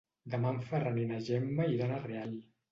Demà en Ferran i na Gemma iran a Real.